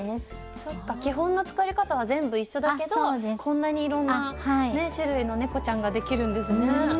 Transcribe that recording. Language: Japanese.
そっか基本の作り方は全部一緒だけどこんなにいろんなね種類のねこちゃんができるんですね。